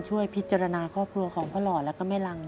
ช่วยพิจารณาครอบครัวของพ่อหล่อแล้วก็แม่รัง